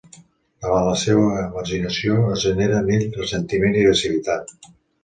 Davant la seua marginació, es genera en ell ressentiment i agressivitat.